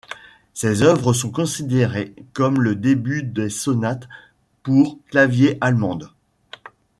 Ces œuvres sont considérées comme le début des sonates pour clavier allemandes.